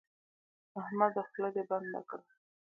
احمده خوله دې بنده کړه.